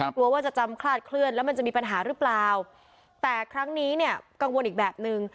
กลัวว่าจะจำคลาดเคลื่อนแล้วมันจะมีปัญหาหรือเปล่าแต่ครั้งนี้เนี่ยกังวลอีกแบบนึง